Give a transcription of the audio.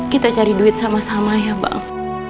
kita cari duit sama sama ya bang